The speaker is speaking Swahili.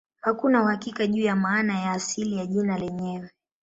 Hakuna uhakika juu ya maana ya asili ya jina lenyewe.